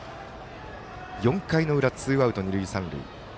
４回の裏、ツーアウト二塁、三塁。